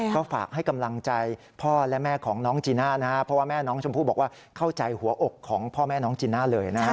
ก็ฝากให้กำลังใจพ่อและแม่ของน้องจีน่านะครับเพราะว่าแม่น้องชมพู่บอกว่าเข้าใจหัวอกของพ่อแม่น้องจีน่าเลยนะฮะ